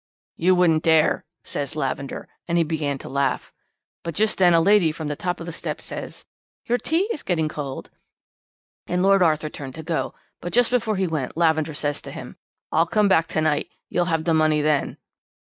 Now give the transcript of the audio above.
"'You wouldn't dare,' says Lavender, and he began to laugh. But just then a lady from the top of the steps said: 'Your tea is getting cold,' and Lord Arthur turned to go; but just before he went Lavender says to him: 'I'll come back to night. You'll have the money then.'